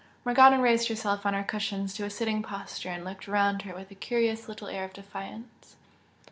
Morgana raised herself on her cushions to a sitting posture and looked round her with a curious little air or defiance.